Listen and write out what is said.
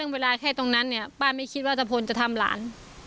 เวลาแค่ตรงนั้นเนี่ยป้าไม่คิดว่าตะพลจะทำหลาน